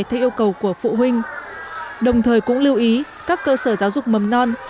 theo yêu cầu của phụ huynh đồng thời cũng lưu ý các cơ sở giáo dục mầm non